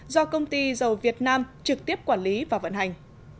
do công ty dầu việt nam trực tiếp quản lý và vận hành